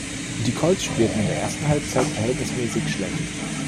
Die Colts spielten in der ersten Halbzeit verhältnismäßig schlecht.